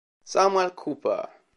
Samuel Cooper